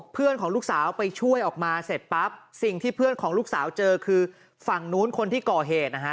เพื่อนของลูกสาวไปช่วยออกมาเสร็จปั๊บสิ่งที่เพื่อนของลูกสาวเจอคือฝั่งนู้นคนที่ก่อเหตุนะฮะ